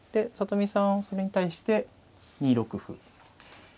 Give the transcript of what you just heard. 里見さんはそれに対して２六歩。